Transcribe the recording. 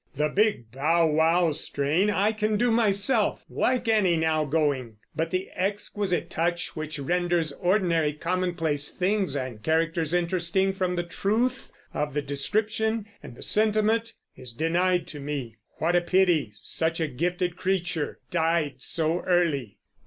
The big bowwow strain I can do myself, like any now going; but the exquisite touch which renders ordinary commonplace things and characters interesting from the truth of the description and the sentiment, is denied to me. What a pity such a gifted creature died so early!"